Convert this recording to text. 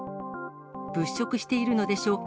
物色しているのでしょうか。